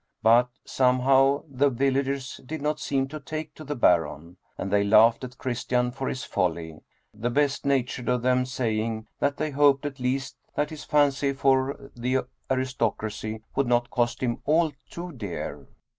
But' somehow, the villagers did not seem to take to the Baron, and they laughed at Christian 17 German Mystery Stories for his folly, the best natured of them saying tfiat they hoped at least that his fancy for the aristocracy would not cost him all too dear.